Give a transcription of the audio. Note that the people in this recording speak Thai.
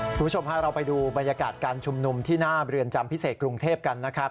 คุณผู้ชมพาเราไปดูบรรยากาศการชุมนุมที่หน้าเรือนจำพิเศษกรุงเทพกันนะครับ